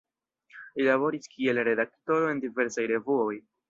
Li laboris kiel redaktoro en diversaj revuoj.